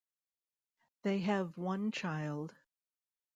They have one child.